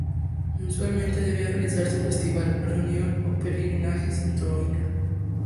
Mensualmente debía realizarse un festival, reunión o peregrinaje sintoísta.